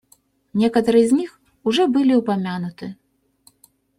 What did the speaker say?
Некоторые из них уже были упомянуты.